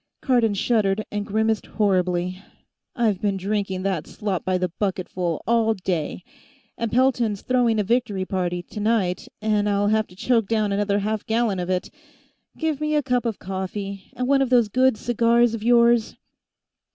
Cardon shuddered and grimaced horribly. "I've been drinking that slop by the bucketful, all day. And Pelton's throwing a victory party, tonight, and I'll have to choke down another half gallon of it. Give me a cup of coffee, and one of those good cigars of yours."